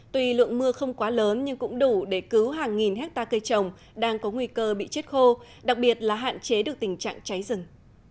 tuy lượng mưa không quá lớn nhưng cũng đủ để cứu hàng nghìn hectare cây trồng đang có nguy cơ bị chết khô đặc biệt là hạn chế được tình trạng cháy rừng